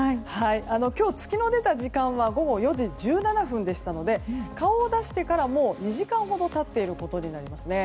今日、月の出た時間は午後４時１７分でしたので顔を出してから、もう２時間ほど経っていることになりますね。